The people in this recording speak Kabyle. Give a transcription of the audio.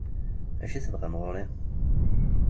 D acu ay tebɣam ɣer-i?